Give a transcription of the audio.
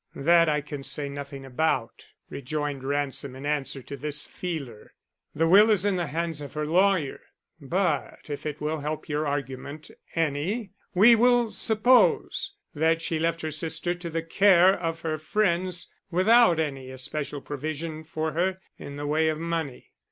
"That I can say nothing about," rejoined Ransom in answer to this feeler. "The will is in the hands of her lawyer, but if it will help your argument any we will suppose that she left her sister to the care of her friends without any especial provision for her in the way of money."